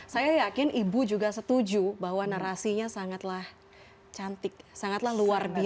saya yakin ibu juga setuju bahwa narasinya sangatlah cantik sangatlah luar biasa